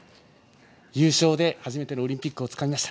優勝で初めてのオリンピックをつかみました。